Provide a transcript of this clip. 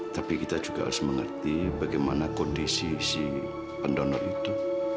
tapi kita juga harus mengerti bagaimana kondisi si pendonor itu